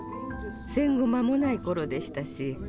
戦後間もない頃でしたし